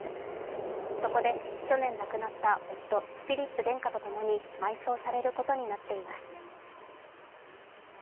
そこで去年亡くなった夫・フィリップ殿下と共に埋葬されることになっています。